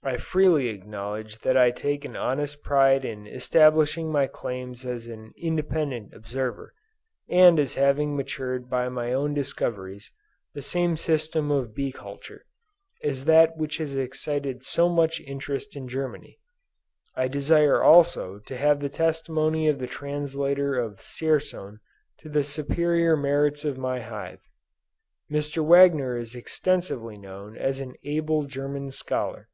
I freely acknowledge that I take an honest pride in establishing my claims as an independent observer; and as having matured by my own discoveries, the same system of bee culture, as that which has excited so much interest in Germany; I desire also to have the testimony of the translator of Dzierzon to the superior merits of my hive. Mr. Wagner is extensively known as an able German scholar.